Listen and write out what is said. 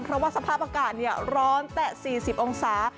เพราะว่าสภาพอากาศร้อนแต่๔๐องศา